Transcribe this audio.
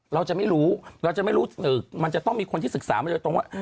เราจะไม่รู้มันจะต้องมีคนที่ศึกษามาจากตรงว่า